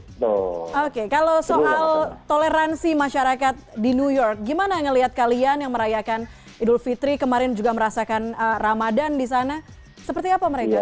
oke kalau soal toleransi masyarakat di new york gimana ngeliat kalian yang merayakan idul fitri kemarin juga merasakan ramadan di sana seperti apa mereka